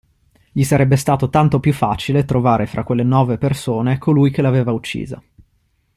Gli sarebbe stato tanto più facile trovare fra quelle nove persone colui che l'aveva uccisa.